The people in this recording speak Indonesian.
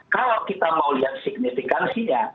kalau kita mau lihat signifikansinya